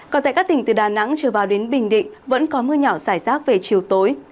còn tại các tỉnh từ đà nẵng trở vào đến bình định vẫn có mưa nhỏ rải rác về chiều tối